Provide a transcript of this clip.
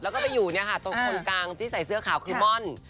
แล้วก็ไปอยู่เนี่ยค่ะตรงคนกลางที่ใส่เสื้อขาวคือม่อน